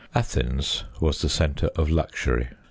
Athens was the centre of luxury.